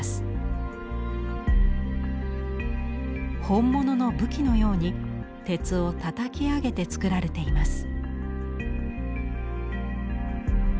本物の武器のように鉄をたたき上げて作られています。